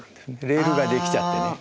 レールができちゃってね。